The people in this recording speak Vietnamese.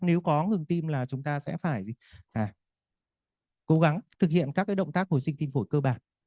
nếu có ngừng tim là chúng ta sẽ phải cố gắng thực hiện các động tác hồi sinh tim phổi cơ bản